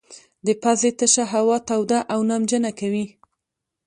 د پزې تشه هوا توده او نمجنه کوي.